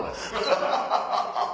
ハハハハ。